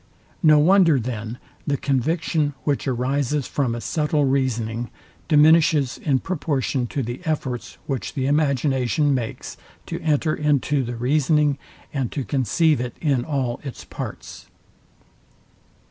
No wonder, then, the conviction, which arises from a subtile reasoning, diminishes in proportion to the efforts, which the imagination makes to enter into the reasoning, and to conceive it in all its parts.